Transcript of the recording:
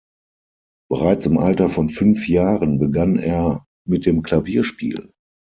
Bereits im Alter von fünf Jahren begann er mit dem Klavierspielen.